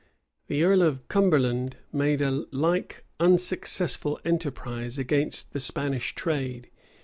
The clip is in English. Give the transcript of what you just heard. [*] The earl of Cumberland made a like unsuccessful enterprise against the Spanish trade.